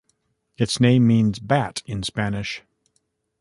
Its name means bat in Spanish.